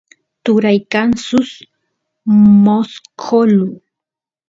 turay kan suk mosqolu